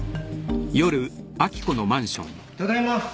ただいま。